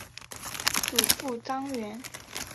祖父张员。